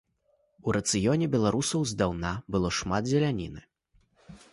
У рацыёне беларусаў здаўна было шмат зеляніны.